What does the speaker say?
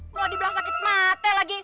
mau dibilang sakit mata lagi